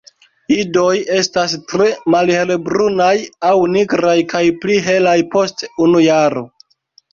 Idoj estas tre malhelbrunaj aŭ nigraj kaj pli helaj post unu jaro.